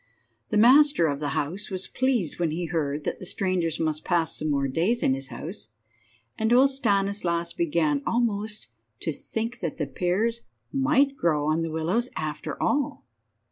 The master of the house was pleased when he heard that the strangers must pass some more days in his house, and old Stanislas began almost to think that the pears might grow on the willows after all.